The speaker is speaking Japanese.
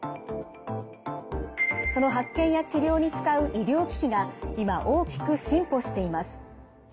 その発見や治療に使う医療機器が今大きく進歩しています。